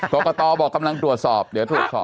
กรกตบอกกำลังตรวจสอบเดี๋ยวตรวจสอบ